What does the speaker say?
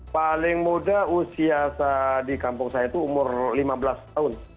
paling muda usia di kampung saya itu umur lima belas tahun